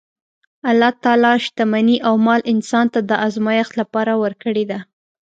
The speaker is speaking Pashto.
الله تعالی شتمني او مال انسان ته د ازمایښت لپاره ورکړې ده.